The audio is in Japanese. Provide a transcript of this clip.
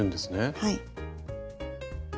はい。